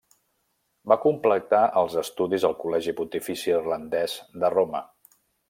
Va completar els estudis al Col·legi Pontifici Irlandès de Roma.